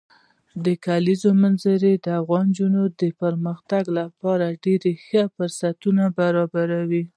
د کلیزو منظره د افغان نجونو د پرمختګ لپاره ډېر ښه فرصتونه برابروي.